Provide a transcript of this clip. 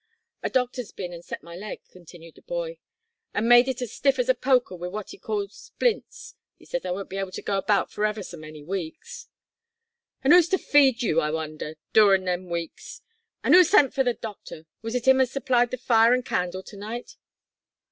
"A doctor's bin an' set my leg," continued the boy, "an' made it as stiff as a poker wi' what 'e calls splints. He says I won't be able to go about for ever so many weeks." "An' who's to feed you, I wonder, doorin' them weeks? An' who sent for the doctor? Was it him as supplied the fire an' candle to night?"